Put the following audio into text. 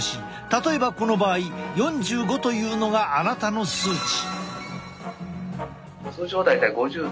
例えばこの場合４５というのがあなたの数値。